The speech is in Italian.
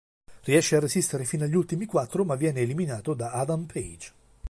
Riesce a resistere fino agli ultimi quattro ma viene eliminato da Adam Page.